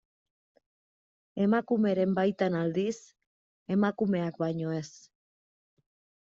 Emakumeren baitan, aldiz, emakumeak baino ez.